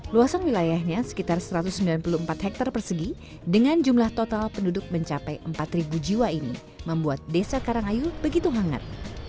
luasan wilayahnya sekitar satu ratus sembilan puluh empat hektare persegi dengan jumlah total penduduk mencapai empat jiwa ini membuat desa karangayu begitu hangat